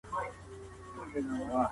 څېړنه ولي د پدیدې ژوره تجزیه ګڼل کیږي؟